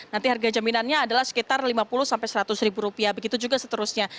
nanti harga jaminannya adalah sekitar lima puluh sampai seratus ribu rupiah begitu juga seterusnya